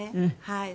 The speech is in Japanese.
はい。